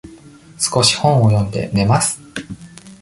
少し本を読んで、寝ます。